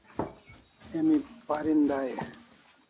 Emi parin dai e ?